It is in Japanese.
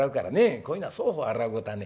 こういうのは双方洗うこたあねえ。